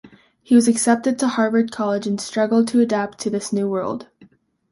He was accepted to Harvard College and struggled to adapt to this new world.